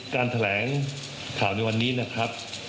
การแถลงข่าวในวันนี้นะครับ